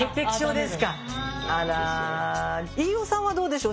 飯尾さんはどうでしょう。